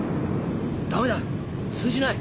ダメだ通じない。